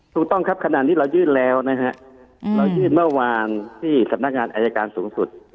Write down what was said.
ถูกต้องครับขณะนี้เรายื่นแล้วนะฮะเรายื่นเมื่อวานที่สำนักงานอายการสูงสุด